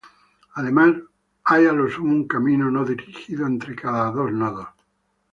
Además hay a lo sumo un camino no dirigido entre cada dos nodos.